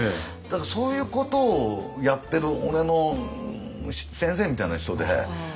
だからそういうことをやってる俺の先生みたいな人で。